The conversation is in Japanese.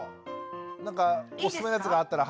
なんかおすすめのやつがあったら。